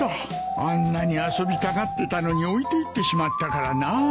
あんなに遊びたがってたのに置いていってしまったからなあ。